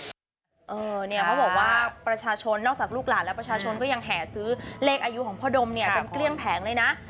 เขาบอกว่าประชาชนนอกจากลูกหลานและประชาชนก็ยังแห่ซื้อเลขอายุของพ่อดมเนี่ยเป็นเกลี้ยงแผงเลยนะ